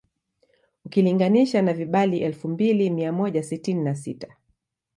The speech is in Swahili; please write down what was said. Ukilinganisha na vibali elfu mbili mia moja sitini na sita